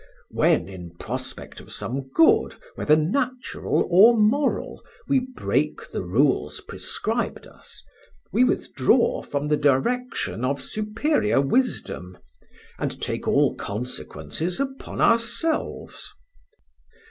When, in prospect of some good, whether natural or moral, we break the rules prescribed us, we withdraw from the direction of superior wisdom, and take all consequences upon ourselves.